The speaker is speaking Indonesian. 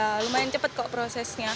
ya lumayan cepat kok prosesnya